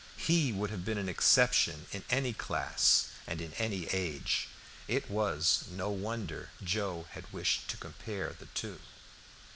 He would have been an exception in any class and in any age. It was no wonder Joe had wished to compare the two.